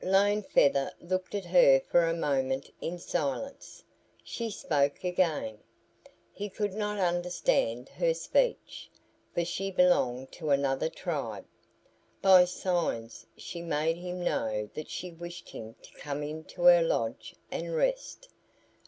Lone Feather looked at her for a moment in silence. She spoke again. He could not understand her speech, for she belonged to another tribe. By signs she made him know that she wished him to come into her lodge and rest.